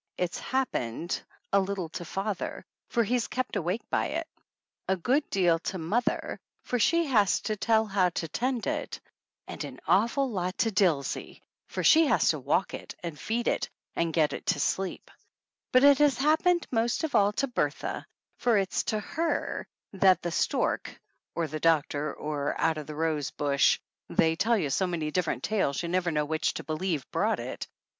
It's happened a little to father, for he's kept awake by it ; a good deal to mother, for she has to tell how to tend to it ; an awful lot to Dilsey, for she has to walk it and feed it and get it to sleep ; but it has happened most of all to Bertha, for it's to her that the stork (or the doctor, or 53 THE ANNALS OF ANN out of the rose bush they tell you so many dif ferent tales you never know which to believe) brought it.